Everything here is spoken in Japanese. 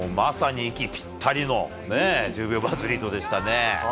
まさに息ぴったりの１０秒バズリートでした。